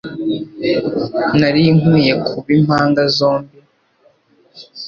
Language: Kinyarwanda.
Nari nkwiye kuba impanga zombi